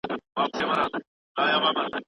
مهربان استاد زده کوونکو ته د صحي ژوند اصول ښيي.